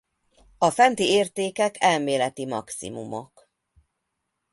A fenti értékek elméleti maximumok.